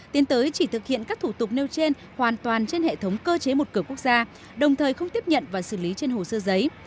tiến tới chỉ thực hiện các thủ tục nêu trên hoàn toàn trên hệ thống cơ chế một cửa quốc gia đồng thời không tiếp nhận và xử lý trên hồ sơ giấy